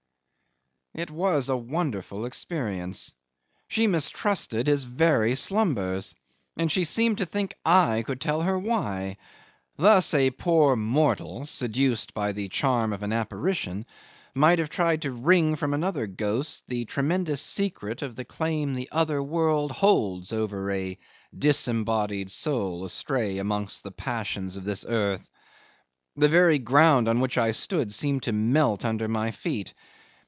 'It was a wonderful experience. She mistrusted his very slumbers and she seemed to think I could tell her why! Thus a poor mortal seduced by the charm of an apparition might have tried to wring from another ghost the tremendous secret of the claim the other world holds over a disembodied soul astray amongst the passions of this earth. The very ground on which I stood seemed to melt under my feet.